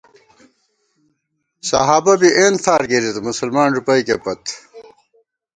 صحابہؓ بی اېن فار گِرِت، مسلمان ݫُپَئیکےپت